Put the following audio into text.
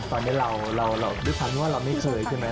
ตอนนี้เราเราดูทั้งว่าเราไม่เคยใช่ไหม